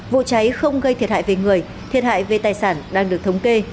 vụ cháy không gây thiệt hại về người thiệt hại về tài sản đang được thống kê